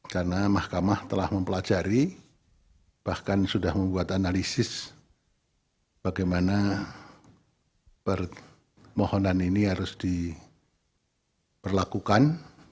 karena mahkamah telah mempelajari bahkan sudah membuat analisis bagaimana permohonan ini harus diperlakukan